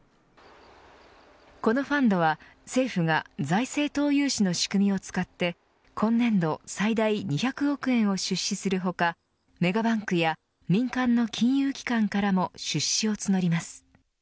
このファンドは、政府が財政投融資の仕組みを使って今年度最大２００億円を出資する他メガバンクや民間の金融機関からも出資を募ります。